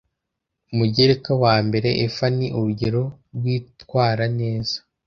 umugereka wa mbere efa ni urugero rw itwara neza